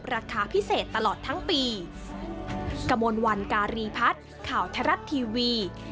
ราคาพิเศษตลอดทั้งปี